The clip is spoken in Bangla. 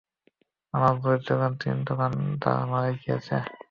আমার বয়স যখন তিন তখন তারা মারা গিয়েছে।